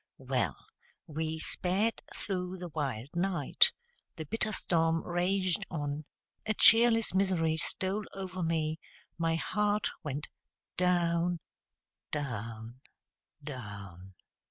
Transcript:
Well, we sped through the wild night, the bitter storm raged on, a cheerless misery stole over me, my heart went down, down, down!